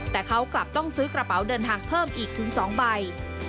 แต่เขากลับต้องซื้อกระเป๋าเดินทางเพิ่มอีกถึง๒ใบ